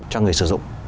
cho người sử dụng